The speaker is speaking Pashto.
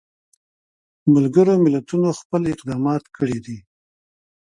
ملګرو ملتونو خپل اقدامات کړي دي.